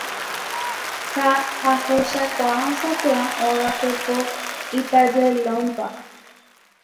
ha ahechakuaa sapy'a óga pepo itejuelon-pa